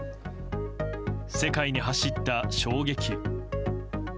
世界に走った衝撃。